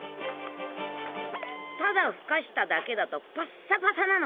ただふかしただけだとパッサパサなの。